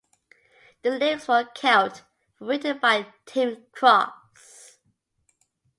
The lyrics for "Celt" were written by Tim Cross.